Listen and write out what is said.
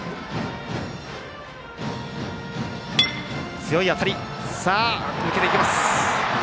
強い当たり、抜けていきます。